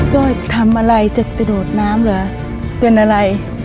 โดยทำอะไรจะกระโดดน้ำเหรอเป็นอะไร